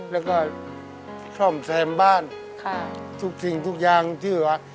แล้วก็ซ่อมแซมบ้านค่ะทุกสิ่งทุกอย่างที่ว่า